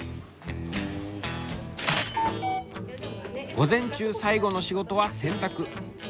午前中最後の仕事は洗濯。